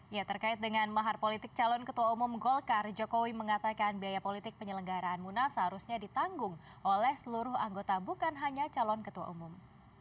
ya terkait dengan mahar politik calon ketua umum golkar jokowi mengatakan biaya politik penyelenggaraan munas seharusnya ditanggung oleh seluruh anggota bukan hanya calon ketua umum